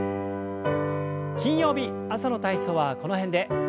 金曜日朝の体操はこの辺で。